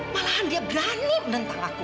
malahan dia berani menentang aku